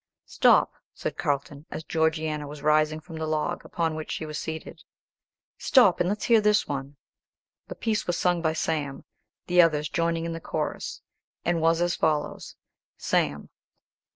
"Stop," said Carlton, as Georgiana was rising from the log upon which she was seated; "stop, and let's hear this one." The piece was sung by Sam, the others joining in the chorus, and was as follows: Sam.